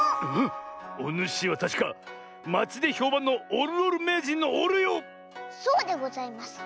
おぬしはたしかまちでひょうばんのおるおるめいじんのおるよ⁉そうでございます。